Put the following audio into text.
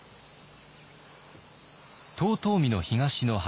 遠江の東の端